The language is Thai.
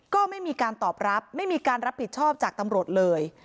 ก็ไม่มีการตอบรับไม่มีการรับผิดชอบจากตำรวจเลย